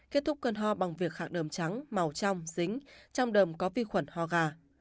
kết thúc cơn ho bằng việc khạc đờm trắng màu trong dính trong đầm có vi khuẩn ho gà